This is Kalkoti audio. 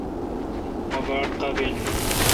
مہ باڑ قابل این۔